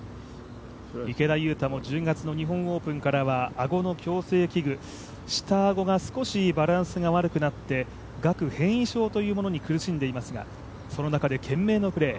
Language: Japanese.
池田勇太も１０月の日本オープンからは顎の矯正器具、下顎が少しバランスが悪くなって、顎変異症に苦しんでいますが、その中で懸命なプレー。